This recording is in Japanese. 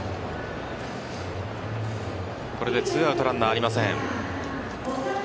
これで２アウトランナーありません。